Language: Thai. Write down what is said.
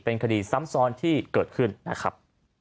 เป็นคดีซ้ำซ้อนที่เกิดขึ้นนะครับ